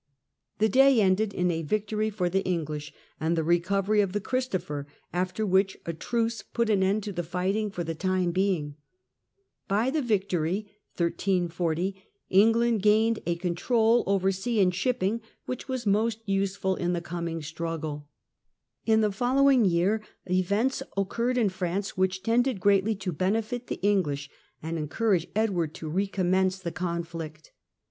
The day ended in a victory for the English and the recovery of the Christopher, after which a truce put an end to the fighting for the time being. By the victory England gained a control over sea and shipping which was most useful in the coming struggle. In the following year, events occurred in France which Disputed tended greatly to benefit the English and encouraged Ed in Brit *'" ward to recommence the conflict.